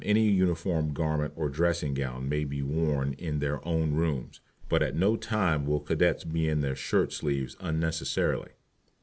any uniform garment or dressing gown may be worn in their own rooms, but at no time will Cadets be in their shirt sleeves unnecessarily.